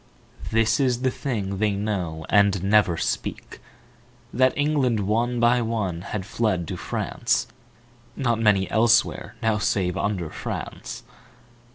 This is the thing they know and never speak, That England one by one had fled to France (Not many elsewhere now save under France).